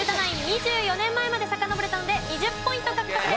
２４年前までさかのぼれたので２０ポイント獲得です。